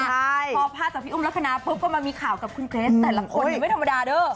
พอกูมาถ่ายพี่อุ้มรักคณะปุ๊บมามีข่ากับคุณเกรซแต่ละคนไม่ธรรมดาเถอะ